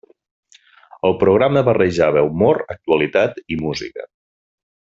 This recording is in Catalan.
El programa barrejava humor, actualitat i música.